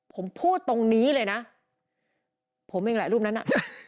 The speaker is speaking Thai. ผมพูดตรงนี้เลยนะผมเองแหละรูปนั้นน่ะ